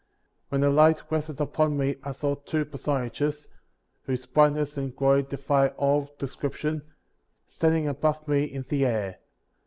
When the light rested upon me I saw two person ages, whose brightness and glory defy all descrip tion, standing above me in the air.